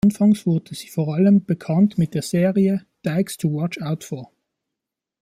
Anfangs wurde sie vor allem bekannt mit der Serie "Dykes To Watch Out For".